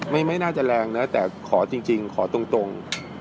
ไม่ไม่น่าจะแรงเนอะแต่ขอจริงจริงขอตรงตรง